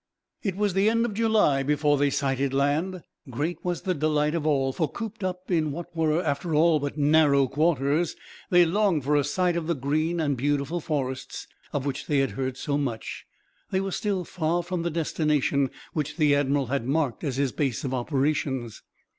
It was the end of July before they sighted land. Great was the delight of all; for, cooped up in what were after all but narrow quarters, they longed for a sight of the green and beautiful forests, of which they had heard so much. They were still far from the destination which the admiral had marked as his base of operations.